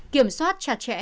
kiểm soát chặt chẽ